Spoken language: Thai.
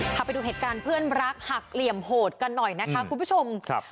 พาไปดูเหตุการณ์เพื่อนรักหักเหลี่ยมโหดกันหน่อยนะคะคุณผู้ชมครับ